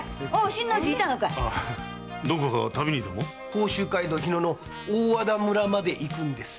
甲州街道日野の大和田村まで行くんです。